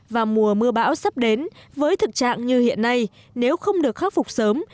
vào mùa mưa bão sắp đến với thực trạng như hiện nay nếu không được khắc phục sớm